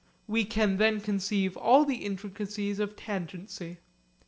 We can then conceive all the intricacies of tangency.